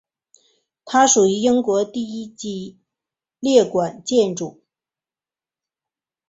它属于英国第一级列管建筑与表定古迹。